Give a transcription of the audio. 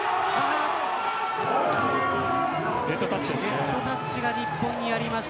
ネットタッチが日本にありました。